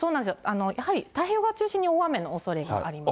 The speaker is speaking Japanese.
やはり太平洋側中心に大雨のおそれがあります。